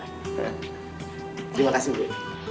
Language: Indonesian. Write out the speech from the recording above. terima kasih bu